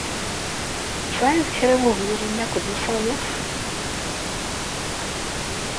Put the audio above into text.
Tesɛiḍ kra n wuguren akked usaḍuf?